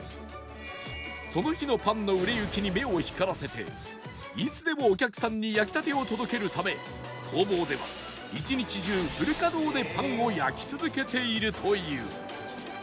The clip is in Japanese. その日のパンの売れ行きに目を光らせていつでもお客さんに焼き立てを届けるため工房では一日中フル稼働でパンを焼き続けているという